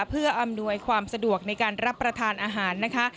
เพื่ออำนวยความสะดวกในการรับประทานอาหารนะคะ